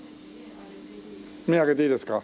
目開けていいですか？